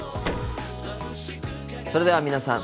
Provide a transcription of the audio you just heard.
それでは皆さん